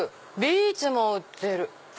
ビーツも売ってる。